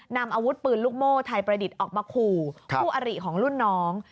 นำอาวุธปืนลูกโม่ไทยประดิษฐ์ออกมาขู่คู่อริของรุ่นน้อง